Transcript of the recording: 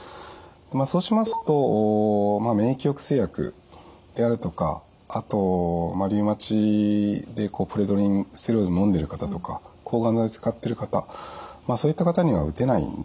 そうしますと免疫抑制薬であるとかあとリウマチでプレドニンステロイドのんでる方とか抗がん剤使っている方そういった方には打てないんですね。